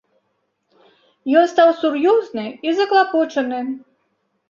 Ён стаў сур'ёзны і заклапочаны.